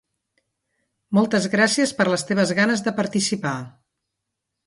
Moltes gràcies per les teves ganes de participar!